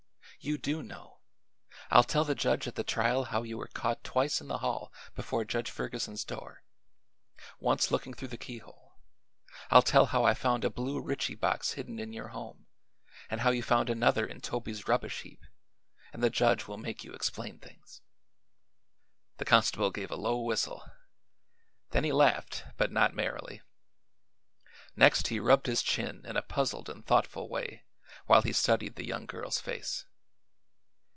"You do know. I'll tell the judge at the trial how you were caught twice in the hall before Judge Ferguson's door once looking through the keyhole; I'll tell how I found a blue Ritchie box hidden in your home, and how you found another in Toby's rubbish heap; and the judge will make you explain things." The constable gave a low whistle; then he laughed, but not merrily; next he rubbed his chin in a puzzled and thoughtful way while he studied the young girl's face.